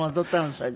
それで。